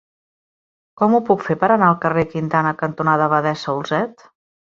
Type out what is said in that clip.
Com ho puc fer per anar al carrer Quintana cantonada Abadessa Olzet?